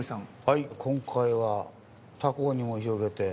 はい今回は他校にも広げて。